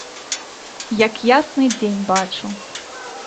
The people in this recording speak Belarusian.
Як ясны дзень бачу.